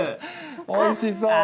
おいしそう。